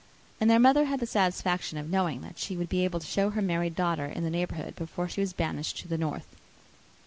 And their mother had the satisfaction of knowing, that she should be able to show her married daughter in the neighbourhood, before she was banished to the north.